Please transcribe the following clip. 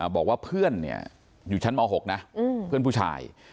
บอกว่าเพื่อนอยู่ชั้นม๖นะเพื่อนผู้ชาย